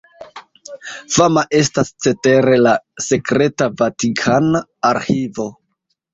Fama estas cetere la sekreta vatikana arĥivo.